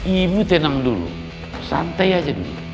ibu tenang dulu santai aja dulu